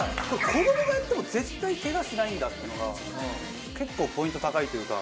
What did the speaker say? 子どもがやっても絶対ケガしないんだっていうのが結構ポイント高いというか。